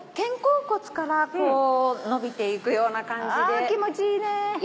あ気持ちいいね。